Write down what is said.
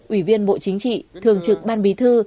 ủy viên bộ chính trị thường trực ban bí thư